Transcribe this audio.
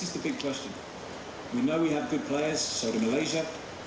kita tahu kita memiliki pemain yang baik jadi malaysia